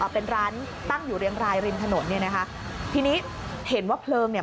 เป็นร้านตั้งอยู่เรียงรายริมถนนเนี่ยนะคะทีนี้เห็นว่าเพลิงเนี่ย